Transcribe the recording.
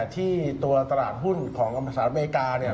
ที่ตัวตลาดหุ้นของสหรัฐอเมริกาเนี่ย